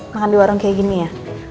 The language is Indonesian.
makan di warung kayak gini ya